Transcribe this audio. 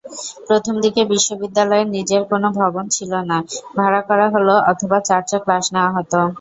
প্রথমদিকে বিশ্ববিদ্যালয়ের নিজের কোন ভবন ছিলনা, ভাড়া করা হল অথবা চার্চে ক্লাস নেওয়া হত।